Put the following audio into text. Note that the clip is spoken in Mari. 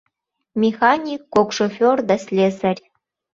Механик, кок шофёр да слесарь.